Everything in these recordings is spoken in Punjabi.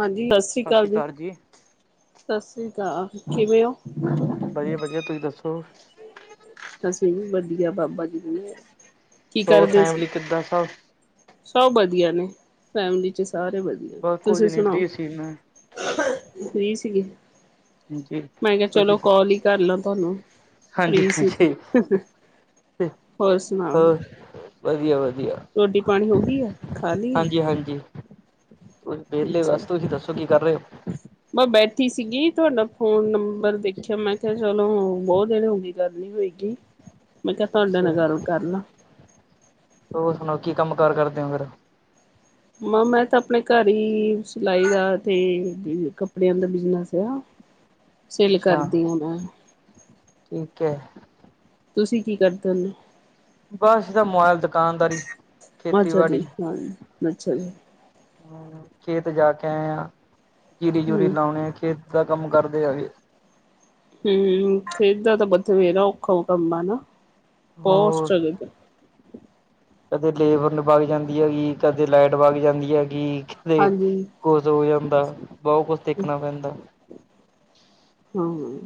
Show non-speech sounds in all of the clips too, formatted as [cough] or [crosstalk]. ਹਾਂ ਜੀ ਬਸ। ਸਤਿ ਸ੍ਰੀ ਕਾਲ ਜੀ। ਸਤਿ ਸ੍ਰੀ ਕਾਲ। ਕਿਵੇਂ ਓ? ਵਧੀਆ, ਵਧੀਆ, ਤੁਸੀਂ ਦੱਸੋ? ਅਸੀ ਵੀ ਵਧੀਆ, ਬਾਬਾ ਜੀ ਦੀ। ਕੀ ਹੋਰ ਕਰਦੇ ਸੀ? ਫੈਮਲੀ ਕਿੱਦਾਂ ਸਭ ਸਭ ਵਧੀਆ ਨੇ ਫੈਮਲੀ ਚ। ਸਾਰੇ ਵਧੀਆ, ਬਸ ਕੁੱਝ ਤੁਸੀ ਨੀ ਸੁਣਾਓ? ਫ੍ਰੀ ਸੀ ਮੈਂ ਫ੍ਰੀ ਸੀਗੀ। ਹਾਂਜੀ ਮੈਂ ਕਿਹਾ ਚਲੋ ਕੋਲ ਈ ਕਾਰਲਾ ਤੁਹਾਨੂੰ। ਹਾਂ ਜੀ, ਫ੍ਰੀ ਹਾਂ ਸੀ ਜੀ, ਹੋਰ ਸੁਣਾਓ ਹੋਰ ਵਧੀਆ, ਵਧੀਆ। ਰੋਟੀ, ਪਾਣੀ ਹੋਗੀ ਐ, ਖਾ ਲੀ ਐ? ਹਾਂ ਜੀ, ਹੁਣ ਵੇਹਲੇ ਅੱਛਾ ਬਸ, ਜੀ ਤੁਸੀ ਦੱਸੋ ਕੀ ਕਰ ਰੇ ਓ? ਮੈਂ ਬੈਠੀ ਸੀ ਗੀ। ਤੁਹਾਡਾ ਫੋਨ ਨੰਬਰ ਦੇਖਿਆ ਮੈਂ ਕਿਹਾ ਚਲੋ ਬਹੁਤ ਦੇਰ ਹੋ ਗਈ ਗੱਲ ਨੀ ਹੋਈ। ਮੈਂ ਕਿਹਾ ਤੁਹਾਡੇ ਅੱਛਾ ਨਾਲ ਗੱਲ ਕਰ ਲਾਂ। ਹੋਰ ਸੁਣਾਓ, ਕੀ ਕੰਮ-ਕਾਰ ਕਰਦੇ ਹੋ, ਫੇਰ? ਮ ਮੈਂ ਤਾਂ ਆਪਣੇ ਘਰ ਈ ਸਿਲਾਈ ਦਾ, ਤੇ ਕੱਪੜਿਆਂ ਦਾ ਬਿਜਨਸ ਆ। ਸਿਲ ਅੱਛਾ ਕਰਦੀ ਆਂ, ਮੈਂ। ਠੀਕ ਐ। ਤੁਸੀ, ਕੀ ਕਰਦੇ ਓ? ਬਸ ਦੁਕਾਨਦਾਰੀ, ਖੇਤੀਬਾੜੀ। ਅੱਛਾ ਜੀ ਹਾਂ ਅੱਛਾ ਜੀ। ਹੂੰ, ਖੇਤ ਜਾ ਕੇ ਆਏ ਆ। ਜੀਰੀ-ਜੁਰੀ ਹਮ ਲਾਉਣੀ, ਖੇਤ ਦਾ ਕੰਮ ਕਰਦੇ ਆਗੇ। ਹੂੰ। ਖੇਤ ਦਾ ਤਾਂ ਬਥੇਰਾ ਔਖਾ ਹੋਏਗਾ ਕੰਮ। ਬਹੁਤ ਹੋਰ। ਸਟਰਗਲ ਕਦੇ ਲੇਬਰ ਨੂੰ ਭਾਗ ਜਾਂਦੀ ਹੈਗੀ। ਕਦੇ ਲਾਈਟ ਭਾਗ ਜਾਂਦੀ ਹੈਗੀ। ਤੇ ਹਾਂਜੀ ਕੁਝ ਹੋ ਜਾਂਦਾ। ਬਹੁਤ ਕੁਝ ਦੇਖਨਾ ਪੈਂਦਾ। ਹੂੰ।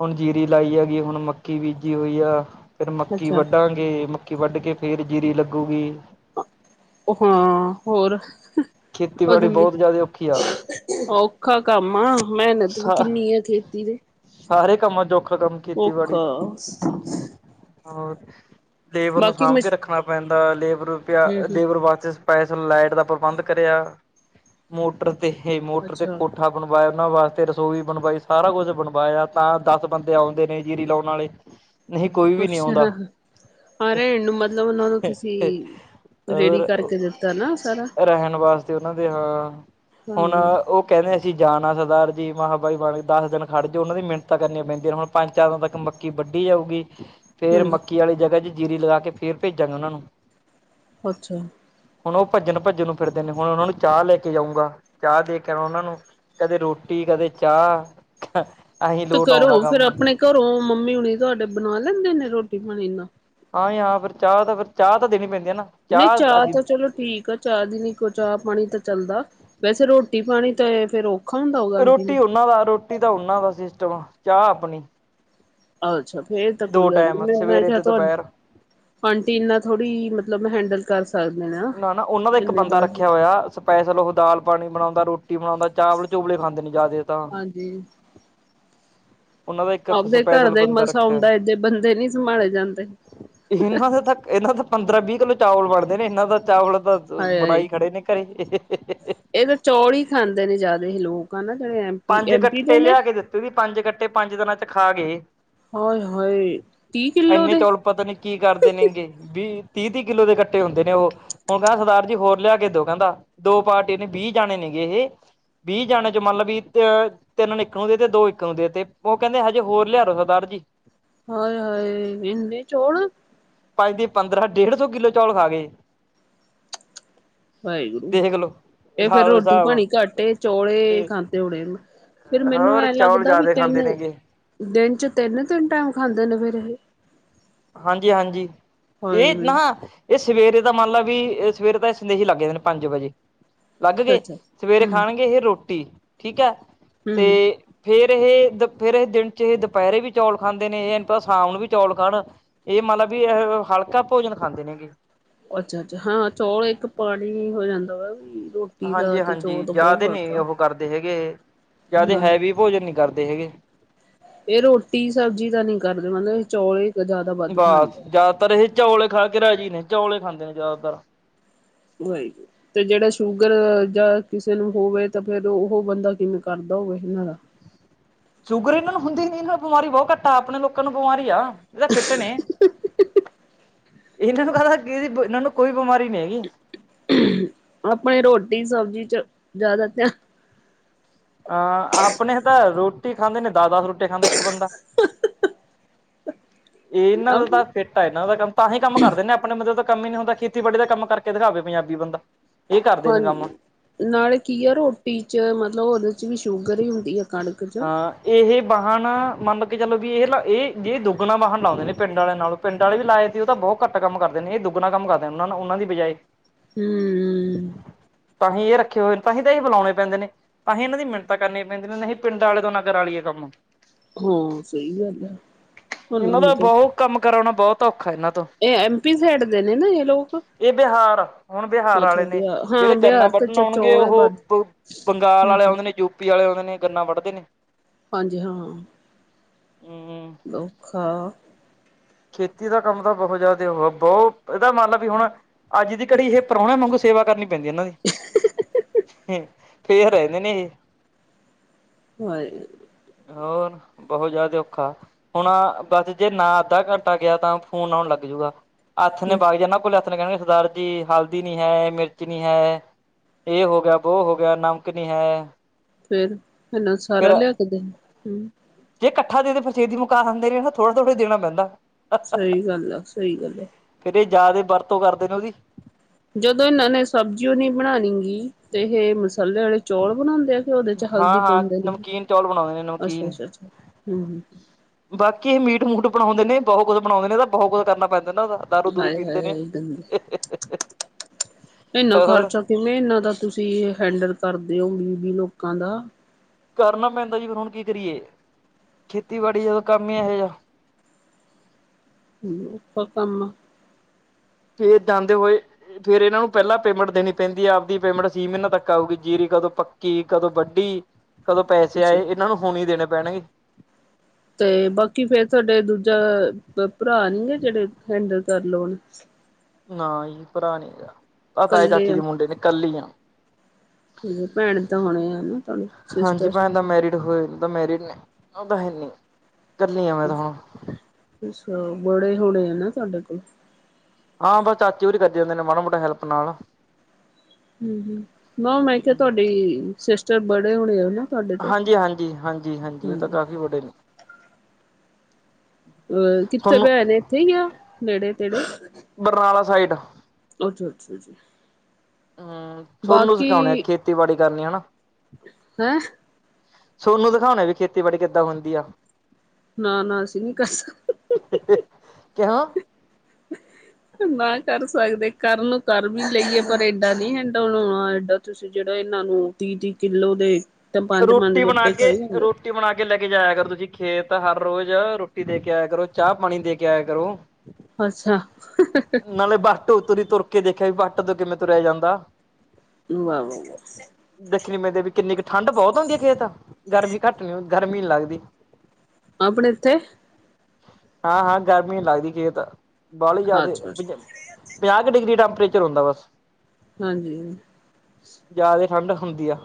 ਹੁਣ ਜੀਰੀ ਲਾਈ ਹੈਗੀ ਐ। ਹੁਣ ਮੱਕੀ ਬੀਜੀ ਹੋਈ ਆ। ਫੇਰ ਮੱਕੀ ਅੱਛਾ ਵੱਢਾਂਗੇ। ਮੱਕੀ ਵੱਢ ਕੇ ਫੇਰ ਜੀਰੀ ਲੱਗੂਗੀ। ਹਾਂ ਹੋਰ। [unintelligible] ਖੇਤੀਬਾੜੀ ਬਹੁਤ ਜ਼ਿਆਦਾ ਔਖੀ ਆ ਔਖਾ ਕੰਮ ਆ। ਮਿਹਨਤ ਵੀ ਸਾ ਕਿੰਨੀ ਏ ਖੇਤੀ ਦੇ। ਸਾਰੇ ਕੰਮਾਂ 'ਚ ਔਖਾ ਕੰਮ ਖੇਤੀ ਬਾੜੀ ਔਖਾ ਦਾ। ਹੋਰ ਲੇਬਰ ਨੂੰ ਬਾਕੀ ਮ ਸਾਂਭ ਕੇ ਰੱਖਨਾ ਪੈਂਦਾ। ਲੇਬਰ ਪਿਆ, ਹਮ ਹਮ ਲੇਬਰ ਵਾਸਤੇ। ਸਪੈਸਲ ਲਾਈਟ ਦਾ ਪ੍ਰਬੰਧ ਕਰਿਆ। ਮੋਟਰ ਤੇ ਹੇ, ਮੋਟਰ ਤੇ ਅੱਛਾ ਕੋਠਾ। [unintelligible] ਤੇ ਰਸੋਈ ਬਣਵਾਈ। ਸਾਰਾ ਕੁਝ ਬਣਵਾਇਆ, ਤਾਂ ਦੱਸ ਬੰਦੇ ਆਉਂਦੇ ਨੇ ਜੀਰੀ ਲਾਉਣ ਵਾਲੇ। ਨਹੀ, ਕੋਈ ਵੀ ਨੀ ਆਉਂਦਾ। ਅੱਛਾ ਹਾਂ ਰਹਿਣ ਨੂੰ ਮਤਲਬ ਉਹਨਾਂ ਨੂੰ ਤੁਸੀਂ ਰੇਡੀ ਔਰ ਕਰਕੇ ਦਿੱਤਾ ਨਾ ਸਾਰਾ ਰਹਿਣ ਵਾਸਤੇ। ਤੇ ਉਹਨਾਂ ਦੇ ਹਾਂ। ਹੁਣ ਹਾਂਜੀ ਓ ਕਹਿੰਦੇ ਅਸੀ ਜਾਣਾ ਸਰਦਾਰ। ਜੀ ਮਹਾ ਬਾਈ ਬਣ ਕੇ ਦਸ ਦਿਨ ਖੜ ਜੋ। ਉਹਨਾਂ ਦੀ ਮੀਨਤਾ ਕਰਨੀਆਂ ਪੈਂਦੀਆਂ ਨੇ। ਹੁਣ ਪੰਜ-ਚਾਰ ਦਿਨਾਂ ਤੱਕ ਮੱਕੀ ਵੱਢੀ ਜਾਊਗੀ। ਫੇਰ ਹਾਂਜੀ ਮੱਕੀ ਆਲੀ ਜਗਾ ਚ ਜੀਰੀ ਲਗਾ ਕੇ, ਫੇਰ ਭੇਜਾਂਗਾ ਉਹਨਾਂ ਨੂੰ। ਅੱਛਾ। ਹੁਣ ਓ ਭੱਜਣ-ਭੱਜਣ ਨੂੰ ਫਿਰਦੇ ਨੇ। ਹੁਣ ਉਹਨਾਂ ਨੂੰ ਚਾਹ ਲੈ ਕੇ ਜਾਊਂਗਾ। ਚਾਹ ਦੇ ਕੇ ਓਹਨਾਂ ਨੂੰ। ਕਦੇ ਰੋਟੀ। ਕਦੇ ਚਾਹ। ਆਹੀ ਲੋਟ ਆਉਂਦਾ ਕੰਮ। ਘਰੋ ਮੰਮੀ ਹੁਣੀ ਤੁਹਾਡੇ ਬਣਾ ਲੈਂਦੇ ਨੇ ਰੋਟੀ, ਪਾਣੀ ਇੰਨਾਂ? ਹਾਂ, ਯਾ ਫੇਰ ਚਾਹ ਤਾ, ਫੇਰ ਚਾਹ ਤਾ ਦੇਣੀ ਪੈਂਦੀ ਐ ਨਾ। ਨਈ ਚਾਹ ਤਾ ਚਲੋ। ਠੀਕ ਆ, ਚਾਹ ਦੀ ਨੀ ਕੋ ਚਾ-ਪਾਣੀ ਤਾ ਚੱਲਦਾ। ਵੈਸੇ ਰੋਟੀ- ਪਾਣੀ ਤੇ ਫੇਰ ਓ। ਰੋਟੀ ਉਹਨਾਂ ਦਾ, ਰੋਟੀ ਤਾਂ ਉਨਾਂ ਦਾ ਸਿਸਟਮ ਆ। ਚਾਹ ਆਪਣੀ। ਅੱਛਾ, ਫੇਰ ਤਾ ਦੋ ਕੋਈ ਗੱਲ ਟਾਈਮ ਨੀ, ਮੈਂ ਸਵੇਰੇ ਕਿਹਾ ਤੇ ਤੁਆਡ ਦੁਪਹਿਰ ਆਂਟੀ ਏਨਾਂ ਥੋੜੀ ਮਤਲਬ ਮ ਹੈਂਡਲ ਕਰ ਸਕ ਨਾ, ਨਾ ਓਨਾਂ ਦਾ ਇੱਕ ਬੰਦਾ ਰੱਖਿਆ ਹੋਇਆ- ਪੈਸੇ ਲਵੋ, ਦਾਲ, ਪਾਨੀ ਬਨਾਉਂਦਾ, ਰੋਟੀ ਬਨਾਉਂਦਾ, ਚਾਵਲ- ਚੁਵਲੇ ਖਾਂਦੇ ਨੇ ਜਿਆਦਾ ਤਾਂ। ਜੀ ਉਹਨਾਂ ਦਾ ਇੱਕ ਆਪਦੇ ਘਰ ਸਪੈਸ਼ਲ ਦਾ ਹੀ ਬੰਦਾ ਮਸਾ ਰੱਖਿਆ ਹੁੰਦਾ ਏਦੇ ਬੰਦੇ ਨੀ ਸੰਭਾਲੇ ਜਾਂਦੇ। ਇਹਨਾਂ ਦੇ ਤਾਂ ਇਹਨਾਂ ਦਾ ਪੰਦਰਾਂ ਵੀਹ ਕਿੱਲੋ ਚਾਵਲ ਬਣਦੇ ਨੇ। ਇਹਨਾਂ ਦਾ ਚਾਵਲ। ਬਸ, ਹਾਏ ਹਾਏ ਬਣਾਈ ਖੜੇ ਨੇ ਘਰੇ ਇਹ ਤਾਂ ਚੌਲ ਹੀ ਖਾਂਦੇ ਨੇ ਜਿਆਦਾ ਹੀ ਲੋਕ ਹਨ ਨਾ ਜਿਹੜੇ ਐਮ ਪੀ, ਐਮ ਪੀ ਦੇ ਨੇ ਫਿਰ ਵੀ ਪੰਜ ਕੱਟੇ ਪੰਜ ਦਿਨਾਂ ਚ ਖਾ ਗਏ, ਹਾਏ ਹਾਏ ਤੀਹ ਕਿੱਲੋ ਇੰਨੇ ਦੇ ਚੌਲ ਪਤਾ ਨੀ ਕੀ ਕਰਦੇ ਨੇ ਹੈਗੇ ਵੀਹ ਤੀਹ-ਤੀਹ ਕਿੱਲੋ ਦੇ ਕੱਟੇ ਹੁੰਦੇ ਨੇ ਉਹ ਹੁਣ ਕਹਿੰਦਾ ਸਰਦਾਰ ਜੀ ਹੋਰ ਲਿਆ ਕੇ ਦੋ ਕਹਿੰਦਾ ਦੋ ਪਾਰਟੀ ਨੇ ਵੀਹ ਜਾਣੇ ਨੇ ਗਏ ਇਹ ਵੀਹ ਜਾਣੇ 'ਚ ਮਤਲਬ ਵੀ ਤੇ ਤਿੰਨ ਇੱਕ ਨੂੰ ਦੇ ਤੇ ਦੋ ਇੱਕ ਨੂੰ ਦੇ ਤੇ ਉਹ ਕਹਿੰਦੇ ਹਜੇ ਹੋਰ ਲਿਆ ਦਿੳ ਸਰਦਾਰ ਜੀ ਹਾਏ, ਹਾਏ ਇੰਨੇ ਚੋਲ ਭਾਈ ਦੇ ਪੰਦਰਾਂ ਡੇਢ ਸੌ ਕਿੱਲੋ ਚੌਲ ਖਾ ਗਏ ਵਾਹਿਗੁਰੂ, ਦੇਖ ਲੋ ਇਹ ਫੇਰ ਲਾ ਲੋ ਰੋਟੀ ਹਿਸਾਬ ਪਾਣੀ ਘੱਟ ਚੌਲੇ ਤੇ ਖਾਂਦੇ ਹੋਣੇੇ ਫਿਰ ਮੈਨੂੰ ਹੋਰ ਐ ਚੌਲ ਲੱਗਦਾ ਵੀ ਜ਼ਿਆਦਾ ਖਾਂਦੇ ਤਿੰਨ ਨੇਗੇ ਦਿਨ ਚ ਤਿੰਨ- ਤਿੰਨ ਟਾਈਮ ਖਾਂਦੇ ਨੇ ਫਿਰ ਇਹ ਹਾਂਜੀ-ਹਾਂਜੀ ਇਹ ਹਾਏ ਨਾ ਇਹ ਸਵੇਰੇ ਦਾ ਮੰਨ ਲ ਵੀ ਸਵੇਰੇ ਤਾਂ ਇਹ ਸੰਦੇਹੀ ਲੱਗ ਜਾਂਦੇ ਨੇ ਪੰਜ ਵਜੇ ਲੱਗ ਗਏ ਅੱਛਾ ਸਵੇਰੇ ਹੂੰ ਖਾਣਗੇ ਇਹ ਰੋਟੀ, ਠੀਕ ਹੈ। ਤੇ ਹੂੰ ਫੇਰ ਇਹ ਦ ਫਿਰ ਇਹ ਦਿਨ 'ਚ ਇਹ ਦੁਪਹਿਰੇ ਵੀ ਚੌਲ ਖਾਂਦੇ ਨੇ ਇਹ ਐਨੂੰਤਾ ਸ਼ਾਮ ਨੂੰ ਵੀ ਚੌਲ ਖਾਣ ਇਹ ਮਤਲਬ ਵੀ ਇਹ ਹਲਕਾ ਭੋਜਨ ਖਾਂਦੇ ਨੇ ਹੈਗੇ ਅੱਛਾ, ਅੱਛਾ ਹਾਂ ਚੌਲ ਇੱਕ ਪਾਣੀ ਹੋ ਜਾਂਦਾ ਵਾ ਵੀ ਰੋਟੀ ਦਾ ਤੇ ਚੌਲ ਹਾਂਜੀ-ਹਾਂਜੀ ਦਾ ਬਹੁਤ ਜ਼ਿਆਦੇ ਫ਼ਰਕ ਨੀ ਆ ਉਹ ਕਰਦੇ ਹੈਗੇ, ਜ਼ਿਆਦੇ ਹਾਂ ਹੈਵੀ ਭੋਜਨ ਨੀ ਕਰਦੇ ਹੈਗੇ ਇਹ ਰੋਟੀ ਸਬਜ਼ੀ ਤਾਂ ਨਹੀਂ ਕਰਦੇ ਮਤਲਬ ਇਹ ਚੌਲ ਹੀ ਜ਼ਿਆਦਾ ਵੱਧ ਬਸ ਖਾਂਦੇ ਜ਼ਿਆਦਾਤਰ ਹੀ ਚੌਲੇ ਖਾ ਕੇ ਰਾਜੀ ਨੇ ਚੌਲੇ ਖਾਂਦੇ ਨੇ ਜ਼ਿਆਦਾਤਰ ਉਹ ਤੇ ਜਿਹੜਾ ਸ਼ੂਗਰ ਜਾਂ ਕਿਸੇ ਨੂੰ ਹੋਵੇ ਤਾਂ ਫੇਰ ਉਹ ਬੰਦਾ ਕਿਵੇਂ ਕਰਦਾ ਹੋਵੇ ਇਹਨਾਂ ਦਾ ਸ਼ੂਗਰ ਇਹਨਾਂ ਨੂੰ ਹੁੰਦੀ ਨੀ ਇਹਨਾਂ ਨੂੰ ਬਿਮਾਰੀ ਬਹੁਤ ਘੱਟ ਆ ਆਪਣੇ ਲੋਕਾਂ ਨੂੰ ਬਿਮਾਰੀ ਆ ਇਹ ਤਾਂ ਫਿੱਟ ਨੇ, ਇਹਨਾਂ ਨੂੰ ਕਦਾ ਕਿਦੀ ਇਹਨਾਂ ਨੂੰ ਕੋਈ ਬਿਮਾਰੀ ਨਹੀਂ ਹੈਗੀ ਆਪਣੇ ਰੋਟੀ ਸਬਜ਼ੀ ਚ ਜ਼ਿਆਦਾ ਧਿਆਨ ਅਹ ਆਪਣੇ ਤਾਂ ਰੋਟੀ ਖਾਂਦੇ ਨੇ ਦਸ- ਦਸ ਰੋਟੀ ਖਾਂਦਾ ਇੱਕ ਬੰਦਾ ਇਹਨਾਂ ਦਾ ਧਿਆਨ ਤਾਂ ਫਿਟ ਆ ਇਹਨਾਂ ਦਾ ਕੰਮ ਤਾਂ ਹੀਂ ਕੰਮ ਕਰਦੇ ਨੇ, ਆਪਣੇ ਬੰਦੇ ਦਾ ਕੰਮ ਹੀ ਨੀ ਹੁੰਦਾ ਖੇਤੀਬਾੜੀ ਦਾ ਕੰਮ ਕਰਕੇ ਦਿਖਾਵੇ ਪੰਜਾਬੀ ਬੰਦਾ ਇਹ ਕਰਦੇ ਨੇ ਕੰਮ ਹਾਂਜੀ, ਨਾਲੇ ਕੀ ਆ ਰੋਟੀ ਚ ਮਤਲਬ ਉਹਦੇ ਚ ਵੀ ਸ਼ੂਗਰ ਹੀ ਹੁੰਦੀ ਆ ਕਣਕ ਚ ਹਾਂ ਇਹ ਵਾਹਨ ਮੰਨ ਕੇ ਚਲੋ ਵੀ ਇਹ ਲਾ ਇਹ ਜੇ ਦੁੱਗਣਾ ਵਾਹਨ ਲਾਉਂਦੇ ਨੇ ਪਿੰਡ ਵਾਲਿਆਂ ਨਾਲੋਂ ਪਿੰਡ ਵਾਲੇ ਵੀ ਲਾਏ ਸੀ ਉਹ ਤਾਂ ਬਹੁਤ ਘੱਟ ਕੰਮ ਕਰਦੇ ਨੇ ਇਹ ਦੁੱਗਣਾ ਕੰਮ ਕਰਦੇ ਨੇ ਉਹਨਾਂ ਨੂੰ ਉਹਨਾਂ ਦੀ ਬਜਾਏ ਹਮ ਤਾਂਹੀ ਇਹ ਰੱਖੇ ਹੋਏ ਨੇ ਤਾਂਹੀ ਤਾਂ ਬੁਲਾਉਣੇ ਪੈਂਦੇ ਨੇ, ਤਾਂਹੀ ਇਹਨਾਂ ਦੀ ਮਿੰਨਤਾਂ ਕਰਨੀ ਕਹਿੰਦੇ ਨਹੀਂ ਸੀ ਪਿੰਡਾਂ ਵਾਲੇ ਦੋਨਾਂ ਕਰਾ ਲਈਏ ਕੰਮ ਹਾਂ ਸਹੀ ਗੱਲ ਆ ਇਹਨਾਂ ਇਹਨੂੰ ਦਾ ਤੇ, ਬਹੁਤ ਕੰਮ ਕਰਾਉਣਾ ਬਹੁਤ ਔਖਾ ਇਹਨਾਂ ਤੋਂ ਇਹ ਐਮਪੀ ਸਾਈਡ ਦੇ ਨੇ ਨਾ ਇਹ ਲੋਕ ਇਹ ਬਿਹਾਰ, ਹੁਣ ਬਿਹਾਰ ਵਾਲੇ ਅੱਛਾ ਨੇ ਬਿਹਾਰ ਹਾਂ ਜਿਹੜੇ ਗੰਨਾ ਬਿਹਾਰ ਵੱਢਣ ਤੇ ਆਉਣਗੇ ਚੌਲ ਉਹ ਵੱਧ ਬੰਗਾਲ ਵਾਲੇ ਹਮ ਆਉਂਦੇ ਨੇ, ਯੂਪੀ ਵਾਲੇ ਆਉਂਦੇ ਨੇ, ਗੰਨਾ ਵੱਢਦੇ ਨੇ ਹਾਂਜੀ ਹਾਂ ਹਮ ਔਖਾ ਖੇਤੀ ਦਾ ਕੰਮ ਤਾਂ ਬਹੁਤ ਜ਼ਿਆਦਾ ਉਹ, ਬਹੁਤ ਇਹਦਾ ਮੰਨ ਲ ਵੀ ਹੁਣ ਅੱਜ ਦੀ ਘੜੀ ਇਹ, ਪ੍ਰਾਹੁਣੇ ਵਾਂਗੂ ਸੇਵਾ ਕਰਨੀ ਪੈਂਦੀ ਇਹਨਾਂ ਦੀ ਫੇਰ ਰਹਿੰਦੇ ਨੇ ਇਹ ਹੋਏ ਹੋਰ ਬਹੁਤ ਜ਼ਿਆਦਾ ਔਖਾ, ਹੁਣ ਬਸ ਜੇ ਨਾ ਅੱਧਾ ਘੰਟਾ ਗਿਆ ਤਾਂ ਫੋਨ ਆਉਣ ਲੱਗ ਜੂਗਾ ਹੱਥ ਨੇ ਬਾਗ ਜਾਂ ਨਾ ਕੋਲ ਓਹਨੇ ਕਹਿਣਾ ਸਰਦਾਰ ਜੀ ਹਲਦੀ ਨੀ ਹੈ ਮਿਰਚ ਨੀ ਹੈ। ਏ ਹੋ ਗਆ ਵੋ ਹੋ ਗਆ ਨਮਕ ਨੀ ਹੈ। ਫੇਰ। ਏਨਾ ਸਾਰਾ ਫੇਰ ਲਿਆ ਕੇ ਦੇਣਾ। ਹੁਂ। ਜੇ ਕੱਠਾ ਦੇਦੇ ਫੇਰ ਛੇਤੀ ਮੁਕਾ ਆਂਦੇ ਨੇ ਫੇ ਥੋੜਾ ਥੋੜ੍ਹਾ ਦੇਣਾ ਪੈਂਦਾ। ਸਹੀ ਗੱਲ ਆ, ਸਹੀ ਗੱਲ ਆ। ਫੇਰ ਏ ਜ਼ਿਆਦੇ ਬਰਤੋਂ ਕਰਦੇ ਨੇ ਔਦੀ। ਜਦੋਂ ਏਨਾਂ ਨੇ, ਸਬਜ਼ੀ ਓ ਨੀ ਬਣਾਣੀ ਗੀ ਤੇ ਏਹ ਮਸਾਲੇ ਆਲੇ ਚੌਲ ਬਣਾਂਦੇ ਆ ਕਿ ਓਦੇ ਚ ਹਾਂ ਹਲਦੀ ਹਾਂ ਪਾਂਦੇ ਨੇ। ਨਮਕੀਨ ਚੌਲ ਬਣਾਉਂਦੇ ਨੇ ਅੱਛਾ ਨਮਕੀਨ ਅੱਛਾ ਅੱਛਾ ਹੁਂ ਹੁਂ। ਬਾਕੀ ਏ ਮੀਟ- ਮੂਟ ਬਣਾਉਦੇ ਨੇ ਬੋਹ ਕੁਛ ਬਣਾਉਂਦੇ ਨੇ, ਏਦਾਂ ਬੋਹ ਕੁਝ ਕਰਨਾ ਪੈਂਦਾ ਨਾ ਐਦਾ। ਦਾਰੂ ਦੂਰੂ ਹਾਏ ਪੀਂਦੇ ਨੇ। ਹਾਏ ਗੰਦੇ ਇੰਨਾ ਹੋਰ। ਖਰਚਾ ਕਿਵੇਂ ਏਨਾਂ ਦਾ ਤੁਸੀਂ ਹੈਂਡਲ ਕਰਦੇ ਹੋ ਵੀਹ ਵੀਹ ਲੋਕਾਂ ਦਾ। ਕਰਨਾ ਪੈਂਦਾ ਜੀ ਫੇਰ ਹੁਣ ਕੀ ਕਰੀਏ ਖੇਤੀਬਾੜੀ ਜਦੋਂ ਕੰਮ ਈ ਐਹੇ ਜਾ। ਪ ਕੰਮ। ਫੇਰ ਜਾਂਦੇ ਹੋਏ ਫੇਰ ਏਨਾਂ ਨੂੰ ਪਹਿਲਾਂ ਪੇਮੈਂਟ ਦੇਣੀ ਪੈਂਦੀ ਏ। ਆਪਦੀ ਪੇਮੈਂਟ ਛੀ ਮੀਨੇ ਤੱਕ ਆਊਗੀ ਜੀਰੀ ਕਦੋਂ ਪੱਕ ਕੀ ਕਦੋਂ ਵੱਡੀ ਕਦੋਂ ਪੈਸੇ ਅੱਛਾ ਆਏ ਏਨਾਂ ਨੂੰ ਹੁਣੇ ਈ ਦੇਣੇ ਪੈਣਗੇ। ਤੇ ਬਾਕੀ ਫੇਰ ਤੁਹਾਡੇ ਦੂਜਾ ਪ ਭਰਾ ਨੀ ਗਾ ਜੇੜੇ ਹੈਂਡਲ ਕਰ ਲੋਣ। ਨਾ ਜੀ ਭਰਾ ਨੀ ਹੈਗਾ ਆ, ਤਾਏ- ਕੱਲੇ ਚਾਚੇ ਦੇ ਆ ਮੁੰਡੇ ਨੇ ਕੱਲੇ ਈ ਆਂ। ਭੈਣ ਤਾਂ ਹੋਨੀ ਆ ਨਾ, ਤੁਹਾਡੇ ਸਿਸਟਰ। ਨਾ ਮੈਰਿਡ ਹੋਏ ਤਾ ਮੈਰਿਡ ਨੇ, ਓ ਤਾਂ ਹੈਨੀ ਕੱਲੇ ਆ ਮੈਂ ਤ ਹੁਣ। ਅੱਛਾ। ਬੜੇ ਹੋਣੇ ਆ ਨਾ ਤੁਹਾਡੇ ਕੋਲ। ਹਾਂ ਬਸ ਚਾਚੇ ਹੋਰੀ, ਕਰਦੇ ਹੁੰਦੇ ਨੇ ਮਾੜਾ- ਮੋਟਾ ਹੈਲਪ ਨਾਲ। ਹੁਂ ਹੁਂ। ਨਾ ਮੈਂ ਕਿਹਾ ਹੂੰ। ਤੁਹਾਡੀ ਸਿਸਟਰ ਬੜੇ ਹੋਣੇ ਆ ਨਾ। ਤੁਹਾਡੇ ਤੋਂ ਹਾਂਜੀ ਹਾਂਜੀ ਹਾਂਜੀ ਹਾਂਜੀ। ਓ ਤਾਂ ਕਾਫੀ ਵੱਡੇ ਨੇ। ਅ ਕਿੱਥੇ ਤੁਹਾਨੂੰ ਭੈਣ ਏਥੇ ਈਆ ਨੇੜੇ ਤੇੜੇ। ਬਰਨਾਲਾ ਸਾਈਡ, ਅੱਛਾ ਅੱਛਾ ਜੀ ਹੁਂ ਥੋਨੂੰ ਬਾਕੀ ਸਿਖਾਉਨੇ ਖੇਤ ਖੇਤੀਬਾੜੀ ਕਰਨੀ ਹੈਨਾ। ਹੈਂ। ਥੋਨੂੰ ਦਿਖਾਉਣੇ ਵੀ ਖੇਤੀਬਾੜੀ ਕਿੱਦਾਂ ਹੁੰਦੀ ਆ। ਨਾ ਨਾ ਅਸੀ ਨੀ ਕਰ ਸਕ ਕਯੋਂ। ਨਾ ਕਰ ਸਕਦੇ ਕਰਨ ਨੂੰ ਕਰ ਵੀ ਲਈਏ ਪਰ ਏਡਾ ਨੀ ਹੈਂਡਲ ਹੋਣਾ ਏਡਾ। ਤੁਸੀ ਜੇੜਾ ਏਨਾਂ ਨੂੰ ਤੀਹ ਤੀਹ ਕਿੱਲੋ ਦੇ ਤੇ ਪੰਜ ਪੰਜ ਰੋਟੀ ਬਣਾ ਗੱਟੇ ਕੇ ਕਈ ਜਾਂਦੇ। ਰੋਟੀ ਬਣਾ ਕੇ ਲੈ ਕੇ ਜਾਇਆ ਕਰੋ ਤੁਸੀਂ ਖੇਤ ਹਰ ਰੋਜ਼ ਰੋਟੀ ਦੇ ਕੇ ਆਇਆ ਕਰੋ। ਚਾਹ ਪਾਣੀ ਦੇ ਕੇ ਆਇਆ ਕਰੋ। ਅੱਛਾ। ਨਾਲੇ ਬੱਸ ਤੋ ਉਤਰੀ ਤੁਰ ਕੇ ਦੇਖਿਆ ਵੀ ਵਟ ਤੇ ਕਿਵੇਂ ਤੁਰੇਆ ਜਾਂਦਾ। ਵਾ ਵਾ ਵਾ। ਦੇਖਣੀ ਮੈਂਦੇ ਵੀ ਕਿੰਨੀ ਕ ਠੰਢ ਬੋਤ ਹੁੰਦੀ, ਖੇਤ ਗਰਮੀ ਘੱਟ ਗਰਮੀ ਨੀ, ਲੱਗਦੀ। ਅਪਣੇ ਏਥੇ ਹਾਂ ਹਾਂ ਗਰਮੀ ਨੀ ਲੱਗਦੀ ਖੇਤ। ਬਾਹਲੇ ਜਾਦੇ ਅੱਛਾ ਅੱਛਾ ਪੰਜਾਹ ਕੁ ਡਿਗਰੀ ਟੈਂਪਰੇਚਰ ਹੁੰਦਾ ਬਸ। ਹਾਂਜੀ। ਜ਼ਿਆਦੇ ਠੰਡ ਹੁੰਦੀ ਆ।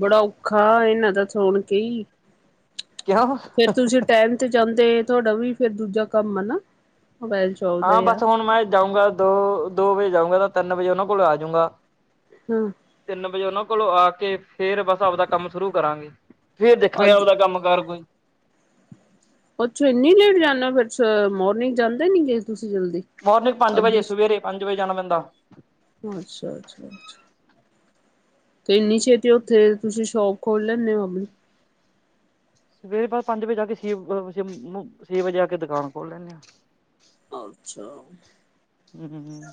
ਬੜਾ ਔਖਾ, ਏਨਾਂ ਦਾ ਸੁਣ ਕੇ ਈ। ਕਿਉਂ ਫੇਰ ਤੁਸੀ ਟੈਮ ਤੇ ਜਾਂਦੇ ਤੁਹਾਡਾ ਵੀ ਫੇਰ ਦੂਜਾ ਕੰਮ ਆ ਨਾ। ਮੋਬਾਇਲ ਸ਼ੋਪ ਦਾ ਹਾਂ ਆ ਬਸ ਹੁਣ ਮੈਂ ਜਾਊਂਗਾ ਦੋ ਦੋ ਵਜੇ ਜਾਊਂਗਾ ਤਾਂ ਤਿੰਨ ਵਜੇ ਔਨਾਂ ਕੋਲ ਆਜੂਂਗਾ। ਹੂਂ। ਤਿੰਨ ਵਜੇ ਉਹਨਾਂ ਕੋਲੋਂ ਆ ਕੇ ਫਿਰ ਬਸ ਆਪਦਾ ਕੰਮ ਸ਼ੁਰੂ ਕਰਾਂਗੇ। ਫੇਰ ਦੇਖਾਂਗੇ ਅੱਜ ਆਪਦਾ ਕੰਮ ਕਾਰ ਕੋਈ। ਅੱਛਾ ਇੰਨੀ ਲੇਟ ਜਾਂਦਾ ਫਿਰ ਮੋਰਨਿੰਗ ਜਾਂਦੇ ਨੀ ਜੇ ਤੁਸੀਂ ਜਲਦੀ। ਮੋਰਨਿੰਗ ਪੰਜ ਵਜੇ ਆਪਦੀ ਸਵੇਰੇ ਪੰਜ ਵਜੇ ਜਾਣਾ ਪੈਂਦਾ। ਅੱਛਾ, ਅੱਛਾ, ਅੱਛਾ। ਤੇ ਇੰਨੀ ਛੇਤੀ ਉੱਥੇ ਤੁਸੀਂ ਸ਼ੋਪ ਖੋਲ ਲੈਂਦੇ ਹੋ ਆਪਣੀ। ਸਵੇਰੇ ਪੰਜ ਵਜੇ ਆ ਕੇ ਛੇ ਵੱਜੇ ਆ ਕੇ ਦੁਕਾਨ ਖੋਲ ਲੈਂਦੇ ਹਾਂ। ਅੱਛਾ, ਹੂੰ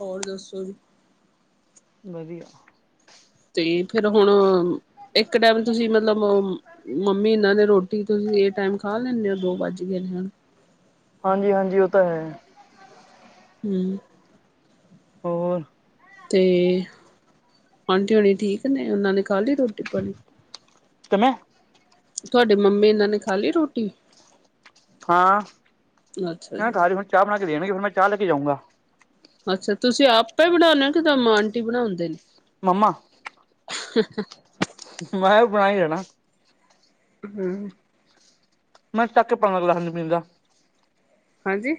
ਹੋਰ ਦੱਸੋ ਜੀ। ਵਧੀਆ। ਤੇ ਫਿਰ ਹੁਣ, ਇੱਕ ਟਾਈਮ ਤੁਸੀਂ ਮਤਲਬ ਮੰਮੀ ਇਹਨਾਂ ਨੇ ਰੋਟੀ ਤੁਸੀਂ ਇਹ ਟਾਈਮ ਖਾ ਲੈਂਦੇ ਹੋ ਦੋ ਵੱਜ ਗਏ ਨੇ ਹੁਣ। ਹਾਂਜੀ- ਹਾਂਜੀ ਉਹ ਤਾਂ ਹੈ। ਹਮ। ਹੋਰ। ਤੇ ਆਂਟੀੇ ਹੋਣੀ ਠੀਕ ਨੇ, ਉਹਨਾਂ ਨੇ ਖਾ ਲਈ ਰੋਟੀ -ਪਾਣੀ। [unintelligible] [unintelligible] ਤੁਹਾਡੇ ਮੰਮੀ ਇਹਨਾਂ ਨੇ ਖਾ ਲਈ ਰੋਟੀ। ਹਾਂ, ਅੱਛਾ ਜੀ ਖਾਲੀ ਹੁਣ ਚਾਹ ਬਣਾ ਕੇ ਦੇਣਗੇ ਫਿਰ ਮੈਂ ਚਾਹ ਲੈ ਕੇ ਜਾਊਂਗਾ। ਅੱਛਾ ਤੁਸੀਂ ਆਪੇ ਹੀ ਬਣਾਉਂਦੇ ਹੋ ਕਿ ਰਮਾ ਆਂਟੀ ਬਣਾਉਂਦੇ ਨੇ। ਮੰਮਾ। [unintelligible] ਮੈਂ ਵੀ ਬਣਾ ਹੀ ਦੇਣਾ। ਹਮ। ਮੈੰ ਚਕ ਕੇ ਪਾਣੀ ਦਾ ਗਿਲਾਸ ਨਹੀ ਪੀਦਾਂ ਹਾਂਜੀ।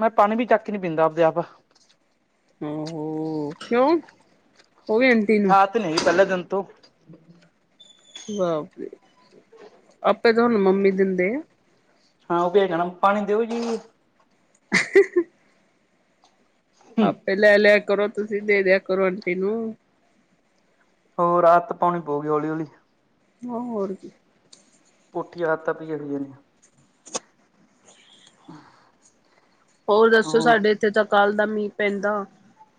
ਮੈਂ ਪਾਣੀ ਵੀ ਚੱਕ ਹੀ ਨੀ ਪੀਂਦਾ ਆਪਦੇ ਆਪ। ਆਹੋ-ਆਹੋ ਕਿਉਂ ਉਵੀ ਆਂਟੀ ਨੂੰ। ਨਹੀਂ ਪਹਿਲੇ ਦਿਨ ਤੋਂ। ਵਾਹ ਬੀ, ਆਪੇ ਤੁਹਾਨੂੰ ਮੰਮੀ ਦਿੰਦੇ ਆ। ਹਾਂ ਉਹ ਤੇ ਹੈਗਾ ਨਾ, ਪਾਣੀ ਦਿਓ ਜੀ। ਹਾਂ। ਆਪੇ ਲੈ ਲਿਆ ਕਰੋ ਤੁਸੀ ਦੇ ਦਿਆ ਕਰੋ ਆਂਟੀ ਨੂੰ। ਉਹ ਆਦਤ ਪਾਉਣੀ ਪਊਗੀ ਹੌਲੀ -ਹੌਲੀ। ਹੋਰ ਕੀ। ਪੁਠੀ ਆਦਤਾਂ ਪਈਆ ਹੋਈਆ ਨੇ ਹਾਂ। ਹੋਰ ਦੱਸੋ ਸਾਡੇ ਇੱਥੇ ਤਾਂ ਕੱਲ ਦਾ ਮੀਂਹ ਪੈਂਦਾ।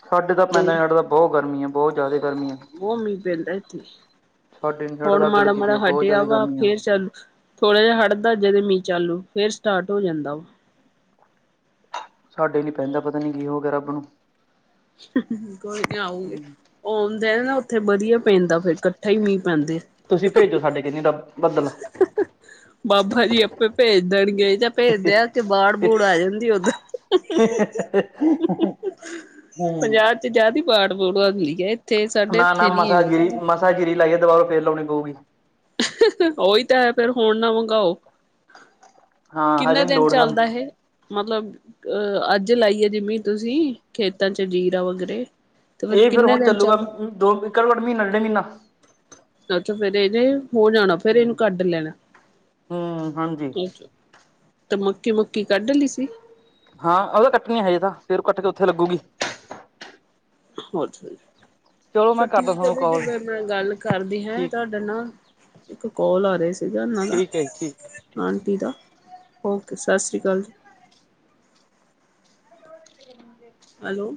ਸਾਡੇ ਤਾਂ ਤੇ ਪੈਂਦਾ ਨਹੀਂ, ਬਹੁਤ ਗਰਮੀ ਹੈ, ਬਹੁਤ ਜ਼ਿਆਦਾ ਗਰਮੀ ਹੈ। ਬਹੁਤ ਮੀਂਹ ਪੈਂਦਾ ਇਥੇ, ਸਾਡੇ ਨੀ ਸਾਡੇ ਹੁਣ ਤਾਂ ਅੱਗ ਮਾੜਾ ਲੱਗੀ ਪਈ -ਮਾੜਾ ਆ ਬਹੁਤ ਹੱਟਿਆ ਜ਼ਿਆਦਾ ਵਾ ਗਰਮੀ ਆ ਫੇਰ ਥੋੜਾ ਜਿਹਾ ਹਟਦਾ ਜਦੇ ਮੀਂਹ ਚਾਲੂ, ਫੇਰ ਸਟਾਰਟ ਹੋ ਜਾਂਦਾ ਵਾ। ਸਾਡੇ ਨੀ ਪੈਂਦਾ ਪਤਾ ਨੀ ਕੀ ਹੋ ਗਿਆ ਰੱਬ ਨੂੰ। ਕੋਈ ਨਾ ਆਉਗਾ। ਆਉਂਦਾ ਨਾ ਉੱਥੇ ਵਧੀਆ ਪੈਂਦਾ ਫਿਰ ਇਕੱਠਾ ਹੀ ਮੀਂਹ ਪੈਂਦੇ। ਤੁਸੀਂ ਭੇਜੋ ਸਾਡੇ ਇੱਥੇ ਬੱਦਲ। ਬਾਬਾ ਜੀ ਆਪੇ ਭੇਜ ਦੇਣਗੇ ਜਾਂ ਭੇਜਦੇ ਆ ਉਥੇ ਬਾੜ-ਬੂੜ ਆ ਜਾਂਦੀ ਉੱਧਰ। ਹੂੰ। ਤੇ ਜਿਆਦਾ ਹੀ ਬਾੜ ਬੂੜ ਆਦੀ ਐ ਇੱਥੇ, ਸਾਡੇ ਇੱਥੇ ਨੀ ਇੰਨੀ ਕਿੰ ਹਾਜਰੀ ਲਗਾਕੇ ਦੁਬਾਰਾ ਫਿਰ ਲਾਉਣੀ ਪਊਗੀ। ਉਹੀ ਤਾਂ ਹੈ ਫਿਰ ਹੁਣ ਨਾ ਮੰਗਓ। ਹਾਂ ਕਿੰਨੇ ਹਜੇ ਨੀ ਦਿਨ ਲੋੜ ਸਾਨੂੰ ਚੱਲਦਾ ਇਹ? ਮਤਲਬ ਅਹ ਅੱਜ ਲਾਈਏ, ਜਿਵੇਂ ਤੁਸੀਂ ਖੇਤਾਂ ਚ ਜੀਰਾ ਵਗਰੇ ਇਹ ਫਿਰ ਹੁਣ ਚੱਲੂਗਾ, ਦੋ ਕ ਮਹੀਨਾ ਡੇਢ ਮਹੀਨਾ ਅੱਛਾ ਫੇਰ ਇਹਨੇ ਹੋ ਜਾਣਾ ਫਿਰ ਇਹਨੂੰ ਹੂੰ-ਹੂੰ ਕੱਢ ਲੈਣਾ, ਹਾਂਜੀ ਠੀਕ ਐ। ਤੇ ਮੱਕੀ-ਮੁੱਕੀ ਕੱਢ ਲਈ ਸੀ। ਹਾਂ ਉਹ ਤਾਂ ਕੱਟਨੀ ਹੈਜੇ ਤਾਂ, ਫੇਰ ਉਹ ਕੱਟ ਕੇ ਉੱਥੇ ਲੱਗੂਗੀ ਅੱਛਾ ਜੀ, ਚਲੋ ਫਿਰ ਮੈਂ ਕਰਦਾ ਠੀਕ ਆ ਤੁਹਾਨੂੰ ਬ ਕਾਲ ਜੇਵੇ ਮੈਂ ਗੱਲ ਕਰਦੀ ਹੈ ਠੀਕ ਤੁ ਨਾ ਇੱਕ ਕਲ ਆ ਰਹੇ ਸੀਗਾ। ਇਹਨਾਂ ਦਾ, ਠੀਕ ਹੈ ਜੀ ਠੀਕ ਠੀਕ ਆਂਟੀ ਦਾ ਓਕੇ, ਸਤਿ ਸ਼੍ਰੀ ਅਕਾਲ ਜੀ। [inaudible] ਹੈਲੋ।